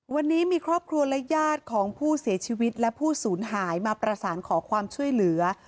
วันนี้มีครอบครัวและญาติของผู้เสียชีวิตและผู้สูญหายมาประสานขอความช่วยเหลือ